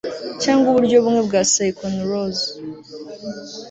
cyangwa uburyo bumwe bwa psychoneurose